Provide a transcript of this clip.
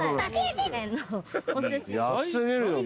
安過ぎるよね。